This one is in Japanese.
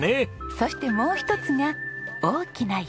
そしてもう一つが大きな屋根裏です。